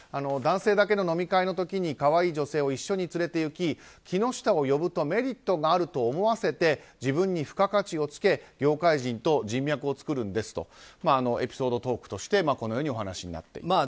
男性だけの飲み会の時に可愛い女性を一緒に連れていき木下を呼ぶとメリットがあると思わせて自分に付加価値をつけ、業界人と人脈を作るんですとエピソードトークとしてこのようにお話になっている。